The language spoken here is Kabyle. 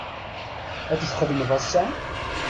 Ad txedmeḍ ass-a?